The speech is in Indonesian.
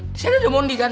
disana ada mondi kan